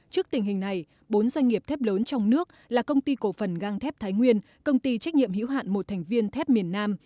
trước tình hình này bốn doanh nghiệp thép lớn trong nước là công ty cổ phần gang thép thái nguyên công ty trách nhiệm hữu hạn một thành viên thép miền nam